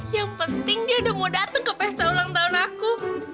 yang penting dia udah mau datang ke pesta ulang tahun aku